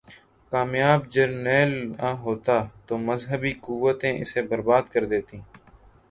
کامیاب جرنیل نہ ہوتا تو مذہبی قوتیں اسے برباد کر دیتیں۔